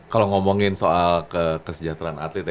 kalau ngomongin soal kesejahteraan atlet ya